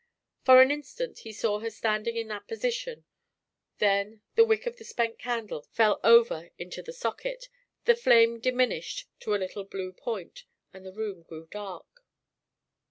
For an instant he saw her standing in that position, then the wick of the spent candle fell over into the socket; the flame diminished to a little blue point, and the room grew dark.